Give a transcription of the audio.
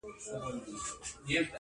تېرومه ژوند د دې ماښام په تمه,